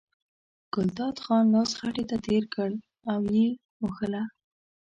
ګلداد خان لاس خېټې ته تېر کړ او یې مښله.